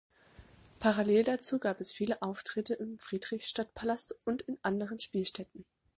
Parallel dazu gab es viele Auftritte im Friedrichstadtpalast und in anderen Spielstätten.